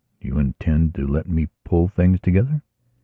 Do you intend to let me pull things together?